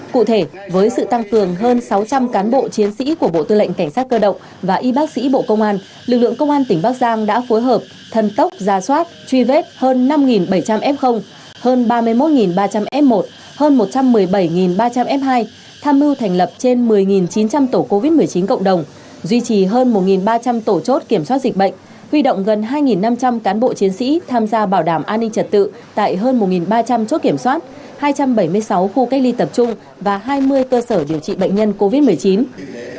sáu trăm linh cán bộ chiến sĩ của bộ tư lệnh cảnh sát cơ động và y bác sĩ bộ công an lực lượng công an tỉnh bắc giang đã phối hợp thân tốc ra soát truy vết hơn năm bảy trăm linh f hơn ba mươi một ba trăm linh f một hơn một trăm một mươi bảy ba trăm linh f hai tham mưu thành lập trên một mươi chín trăm linh tổ covid một mươi chín cộng đồng duy trì hơn một ba trăm linh tổ chốt kiểm soát dịch bệnh huy động gần hai năm trăm linh cán bộ chiến sĩ tham gia bảo đảm an ninh trật tự tại hơn một ba trăm linh chốt kiểm soát hai trăm bảy mươi sáu khu cách ly tập trung và hai mươi cơ sở điều trị bệnh nhân của bộ tư lệnh cảnh sát cơ động